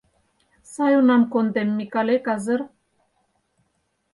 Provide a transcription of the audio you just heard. — Сай унам кондем, Микале, казыр.